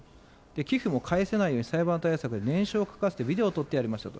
寄付も返せないように裁判対策で念書を書かせて、ビデオ撮ってやりましたと。